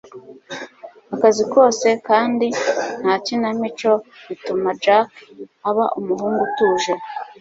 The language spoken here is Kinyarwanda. Akazi kose kandi ntakinamico bituma Jack aba umuhungu utuje.